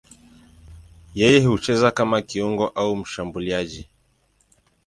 Yeye hucheza kama kiungo au mshambuliaji.